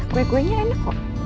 kuenya enak kok